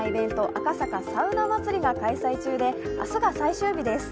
赤坂サウナ祭りが開催中で明日が最終日です。